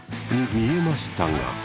見えました？